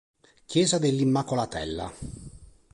Chiesa dell'Immacolatella